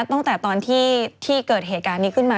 ตั้งแต่ตอนที่เกิดเหตุการณ์นี้ขึ้นมา